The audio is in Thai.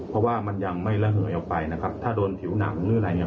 เพราะว่ามันยังไม่ระเหงออกไปถ้าโดนถิวหนังหรืออะไร